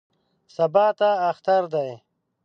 سبا ته اختر دی.